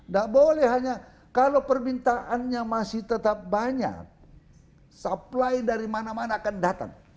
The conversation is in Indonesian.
gak boleh hanya kalau permintaannya masih tetap banyak supply dari mana mana akan datang